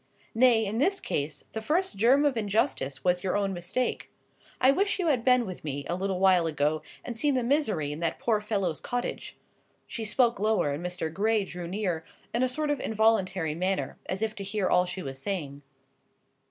Nay, in this case the first germ of injustice was your own mistake. I wish you had been with me a little while ago, and seen the misery in that poor fellow's cottage." She spoke lower, and Mr. Gray drew near, in a sort of involuntary manner; as if to hear all she was saying.